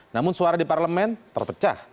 namun suara di parlemen terpecah